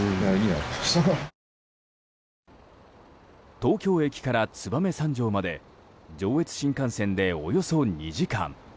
東京駅から燕三条まで上越新幹線で、およそ２時間。